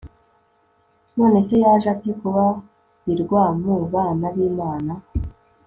none se yaje ate kubarirwa mu bana b'imana